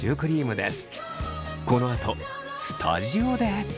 このあとスタジオで。